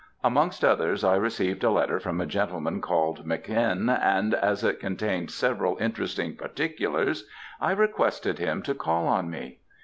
Amongst others, I received a letter from a gentleman called Mc. N., and as it contained several interesting particulars, I requested him to call on me.